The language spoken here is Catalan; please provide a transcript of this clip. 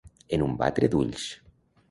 En un batre d'ulls.